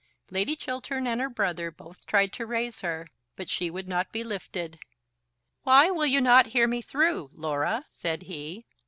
Lady Chiltern and her brother both tried to raise her, but she would not be lifted. "Why will you not hear me through, Laura?" said he.